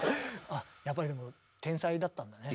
あやっぱりでも天才だったんだね。